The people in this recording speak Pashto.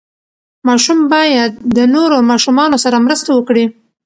ماشوم باید د نورو ماشومانو سره مرسته وکړي.